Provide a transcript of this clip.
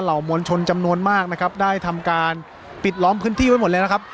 มวลชนจำนวนมากนะครับได้ทำการปิดล้อมพื้นที่ไว้หมดเลยนะครับ